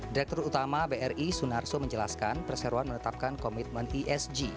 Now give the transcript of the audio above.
direktur utama bri sunarso menjelaskan perseruan menetapkan komitmen esg